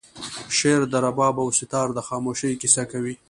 شعر د رباب او سیتار د خاموشۍ کیسه کوي